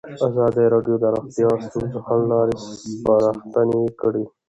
ازادي راډیو د روغتیا د ستونزو حل لارې سپارښتنې کړي.